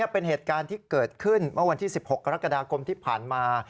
เป็นเหตุการณ์ที่เกิดขึ้นเมื่อวันที่๑๖กรกฎาคมที่ผ่านมา